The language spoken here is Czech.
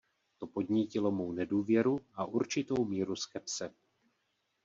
To podnítilo mou nedůvěru a určitou míru skepse.